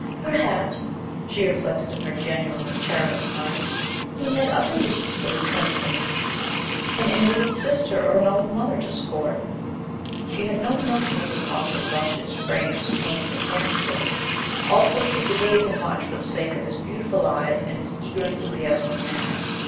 "Perhaps," she reflected in her genuinely charitable heart, "he had other uses for the twenty guineas, an invalid sister or an old mother to support!" She had no notion of the cost of brushes, frames, paints, and canvases. Also she forgave him much for the sake of his beautiful eyes and his eager enthusiasm of manner.